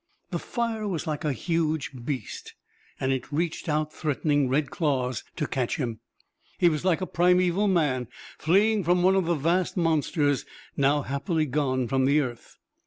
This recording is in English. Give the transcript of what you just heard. The fire was like a huge beast, and it reached out threatening red claws to catch him. He was like primeval man, fleeing from one of the vast monsters, now happily gone from the earth.